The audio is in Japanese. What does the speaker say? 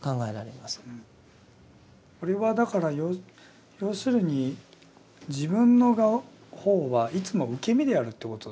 これはだから要するに自分の方はいつも受け身であるってことなんですね。